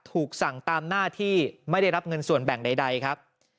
ถูกสั่งตามหน้าที่ไม่ได้รับเงินส่วนแบ่งใดครับ